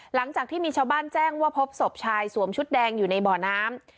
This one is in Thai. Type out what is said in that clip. หลังจากที่มีชาวบ้านแจ้งว่าพบศพชายสวมชุดแดงอยู่ในบ่อน้ำ